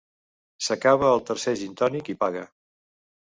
S'acaba el tercer gintònic i paga.